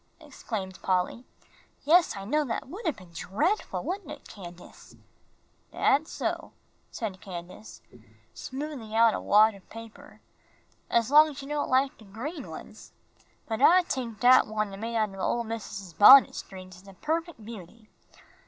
exclaimed Polly. "Yes, I know, that would have been dreadful, wouldn't it, Candace?" "Dat's so," said Candace, smoothing out a wad of paper, "as long as you don' like de green ones. But I tink dat one I made out o' ole missus's bunnet strings is a perfec' beauty.